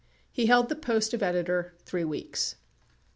He held the post of editor three weeks.